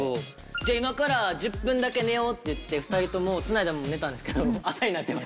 じゃあ今から１０分だけ寝ようって言って２人とも繋いだまま寝たんですけど。